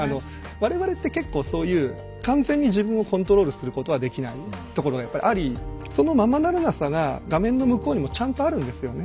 我々って結構そういう完全に自分をコントロールすることはできないところがやっぱりありその「ままならなさ」が画面の向こうにもちゃんとあるんですよね。